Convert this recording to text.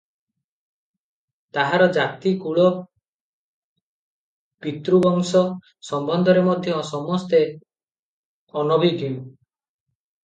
ତାହାର ଜାତି, କୁଳ, ପିତୃ ବଂଶ ସମ୍ବନ୍ଧରେ ମଧ୍ୟ ସମସ୍ତେ ଅନଭିଜ୍ଞ ।